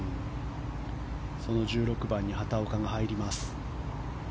その１６番に畑岡が入ります。